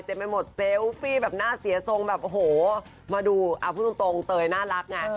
ไปหมดเซลฟี่แบบหน้าเสียทรงแบบโอ้โหมาดูเอาพูดตรงเตยน่ารักไง